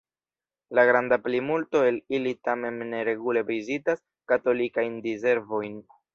La granda plimulto el ili tamen ne regule vizitas katolikajn diservojn.